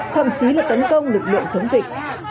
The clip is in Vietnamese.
thậm chí là tấn công lực lượng chống dịch